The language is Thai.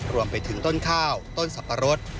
รวมไปถึงต้นข้าวต้นสับปะรด